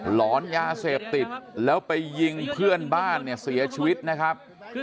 หลอนยาเสพติดแล้วไปยิงเพื่อนบ้านเนี่ยเสียชีวิตนะครับ